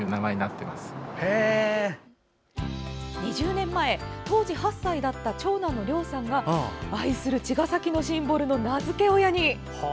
２０年前、当時８歳だった長男の僚さんが愛する茅ヶ崎のシンボルの名付け親に。